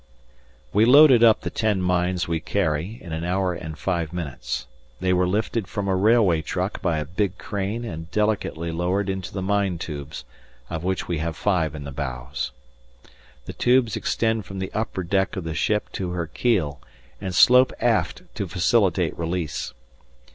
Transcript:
_ We loaded up the ten mines we carry in an hour and five minutes. They were lifted from a railway truck by a big crane and delicately lowered into the mine tubes, of which we have five in the bows. The tubes extend from the upper deck of the ship to her keel, and slope aft to facilitate release.